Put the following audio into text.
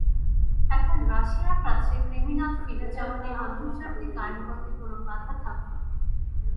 এখন রাশিয়ার কাছে ক্রিমিয়ার ফিরে যাওয়া নিয়ে আন্তর্জাতিক আইনগত কোনো বাধা থাকল না।